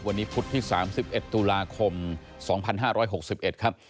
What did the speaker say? วันนี้พุธที่๓๑ตุลาคม๒๕๖๑ครับ